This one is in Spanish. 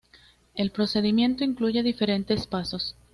El procedimiento incluye diferentes pasos.